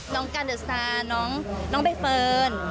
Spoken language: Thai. น้องกัลเดอะซานน้องเบเฟิร์น